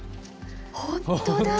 本当だ。